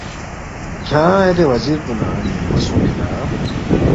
کھیانگ اے دے وزیر پو نہ ن٘یمبو سونگفی لا